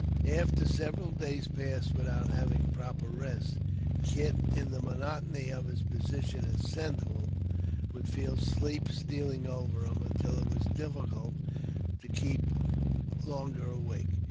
After several days passed without having proper rest, Kit, in the monotony of his position as sentinel, would feel sleep stealing over him, until it was difficult to keep longer awake.